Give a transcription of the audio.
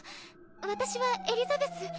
私はエリザベス。